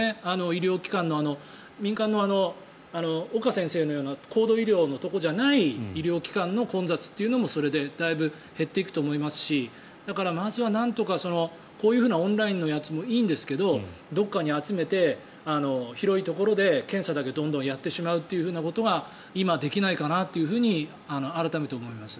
医療機関の民間の岡先生のような高度医療のところじゃない医療機関の混雑というのもそれでだいぶ減っていくと思いますしだから、まずはなんとかこういうふうなオンラインのやつもいいんですけどどこかに集めて広いところで検査だけどんどんやってしまうということが今できないかなというふうに改めて思います。